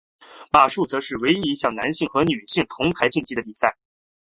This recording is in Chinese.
马术则是唯一一项男性和女性选手同台竞技的比赛。